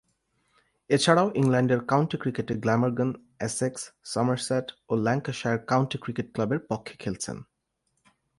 এছাড়াও, ইংল্যান্ডের কাউন্টি ক্রিকেটে গ্ল্যামারগন, এসেক্স, সমারসেট ও ল্যাঙ্কাশায়ার কাউন্টি ক্রিকেট ক্লাবের পক্ষে খেলছেন।